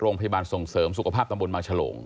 โรงพยาบาลส่งเสริมสุขภาพตำบลบางฉลง